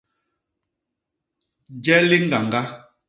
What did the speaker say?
Je liñgañga.